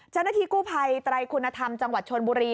เจ้าหน้าที่กู้ภัยไตรคุณธรรมจังหวัดชนบุรี